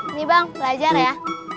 ini bang belajar ya